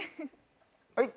はい？